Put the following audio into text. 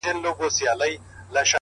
سر مي بلند دی;